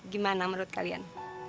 gimana menurut kalian